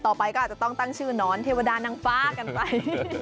ต่อไปก็อาจจะต้องตั้งชื่อนอนเทวดานางฟ้ากันไป